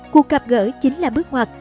cuộc gặp gỡ chính là bước ngoặt